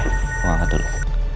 aku angkat dulu